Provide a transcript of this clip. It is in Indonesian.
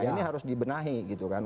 ini harus dibenahi gitu kan